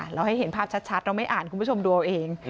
เราให้เห็นภาพชัดเราไม่อ่านคุณผู้ชมดูเอาเอง